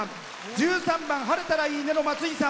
１３番「晴れたらいいね」のまついさん。